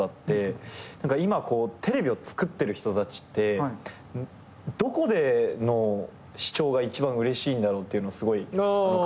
今こうテレビを作ってる人たちってどこでの視聴が一番うれしいんだろうっていうのすごい考えてて。